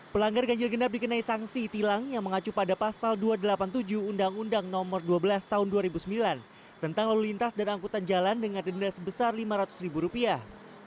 pelanggar ganjil genap dikenai sanksi tilang yang mengacu pada pasal dua ratus delapan puluh tujuh undang undang nomor dua belas tahun dua ribu sembilan tentang lalu lintas dan angkutan jalan dengan denda sebesar lima ratus ribu rupiah